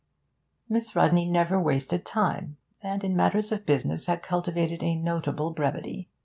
Miss Rodney never wasted time, and in matters of business had cultivated a notable brevity.